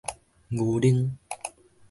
牛奶